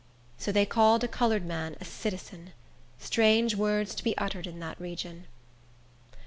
So they called a colored man a citizen! Strange words to be uttered in that region!